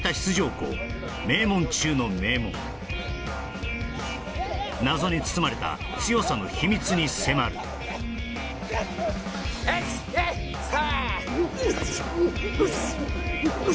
校名門中の名門謎に包まれた強さの秘密に迫る１２３！